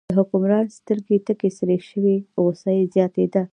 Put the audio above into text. د حکمران سترګې تکې سرې شوې، غوسه یې زیاتېده.